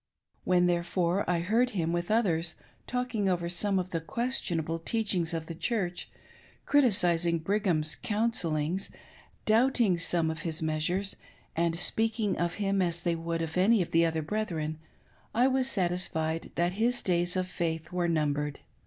When therefore I heard him, with others, talking over some of the questionable teachings of the Church, criticising Brigham's counsellings, doubting some of his measures, and speaking of him as they would of any of the other brethren, I was satisfied tliat his days of faith were numbered.